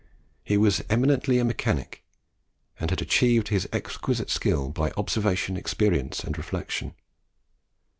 He was eminently a mechanic, and had achieved his exquisite skill by observation, experience, and reflection.